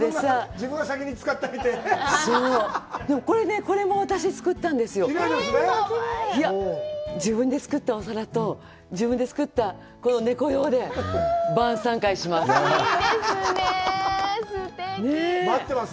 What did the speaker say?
自分で作ったお皿と、自分で作った猫用で晩さん会します。